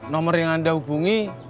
nomor yang anda hubungi